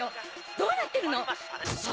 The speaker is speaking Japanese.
どうなってるの⁉クソ！